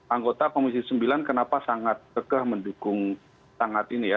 anggota komisi sembilan kenapa sangat kekeh mendukung sangat ini ya